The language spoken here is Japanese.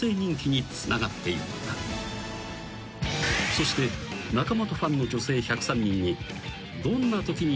［そして中本ファンの女性１０３人に］